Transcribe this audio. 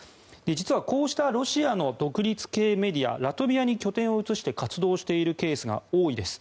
実はこうしたロシアの独立系メディアラトビアに拠点を移して活動しているケースが多いです。